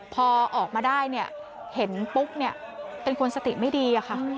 พอออกมาได้เห็นปุ๊บเป็นคนสติไม่ดีค่ะ